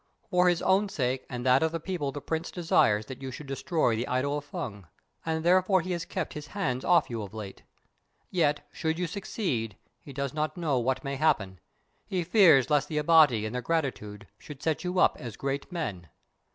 For his own sake and that of the people the Prince desires that you should destroy the idol of Fung, and therefore he has kept his hands off you of late. Yet should you succeed, he does not know what may happen. He fears lest the Abati in their gratitude should set you up as great men."